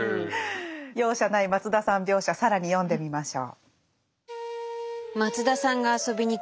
容赦ない松田さん描写更に読んでみましょう。